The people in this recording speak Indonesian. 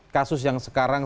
kasus yang sekarang